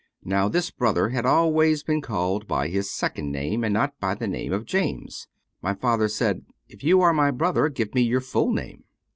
Now this brother had always been called by his second name and not by the name of James. My father said, "If you are my brother, give me your full name."